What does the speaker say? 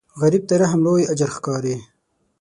غریب ته رحم لوی اجر ښکاري